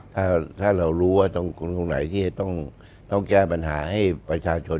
ถ้าเรารู้ว่าตรงไหนที่จะต้องแก้ปัญหาให้ประชาชน